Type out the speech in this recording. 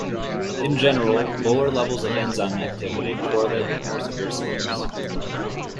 In general, lower levels of enzyme activity correlate with more severe symptoms.